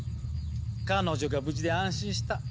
彼女が無事で安心した。